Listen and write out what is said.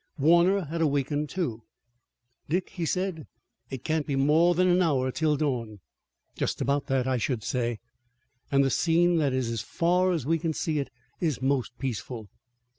Warner had awakened, too. "Dick," he said, "it can't be more than an hour till dawn." "Just about that I should say." "And the scene, that is as far as we can see it, is most peaceful."